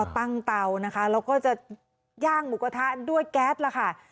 ตั้งเตาเราก็จะย่างหมูกระทะด้วยแก๊ส